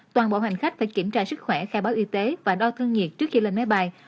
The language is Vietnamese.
toàn bộ hành khách phải kiểm tra sức khỏe khai báo y tế và đo thân nhiệt trước khi lên máy bay